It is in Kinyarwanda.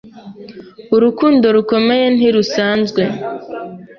Urukundo rukomeye ntirusanzwe